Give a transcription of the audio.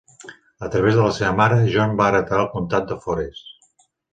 A través de la seva mare, John va heretar el comtat de Forez.